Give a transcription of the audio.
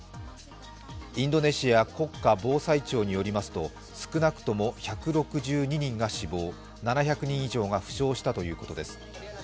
インドネシア国家防災庁によりますと少なくとも１６２人が死亡、７００人以上が負傷したということです。